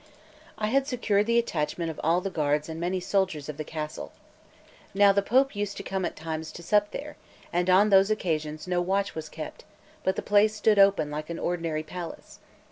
I had secured the attachment of all the guards and many soldiers of the castle. Now the Pope used to come at times to sup there, and on those occasions no watch was kept, but the place stood open like an ordinary palace.